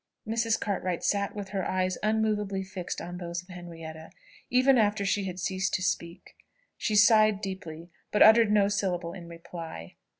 Mrs. Cartwright sat with her eyes immoveably fixed on those of Henrietta, even after she had ceased to speak: she sighed deeply, but uttered no syllable in reply.